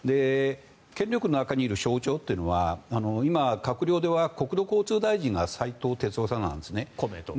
権力の中にいる象徴というのは今、閣僚では国土交通大臣が斉藤鉄夫さんなんですね。